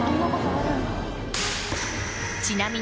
［ちなみに］